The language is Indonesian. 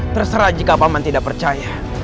terserah jika paman tidak percaya